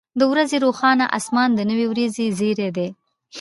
• د ورځې روښانه اسمان د نوې ورځې زیری دی.